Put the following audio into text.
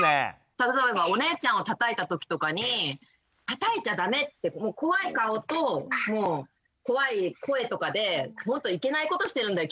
例えばお姉ちゃんをたたいたときとかに「たたいちゃだめ！」って怖い顔と怖い声とかでもっといけないことしてるんだよ